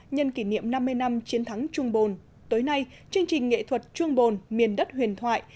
nhân kỷ niệm năm mươi năm chiến thắng trung bồn tối nay chương trình nghệ thuật chuông bồn miền đất huyền thoại